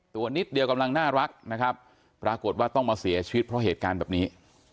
ตัวนิดเดียวกำลังน่ารักนะครับปรากฏว่าต้องมาเสียชีวิตเพราะเหตุการณ์แบบนี้